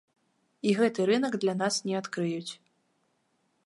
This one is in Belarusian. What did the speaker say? І гэты рынак для нас не адкрыюць.